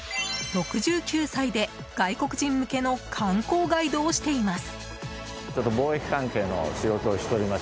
６９歳で、外国人向けの観光ガイドをしています。